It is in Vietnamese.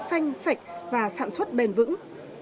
xanh sạch và sản xuất bền vững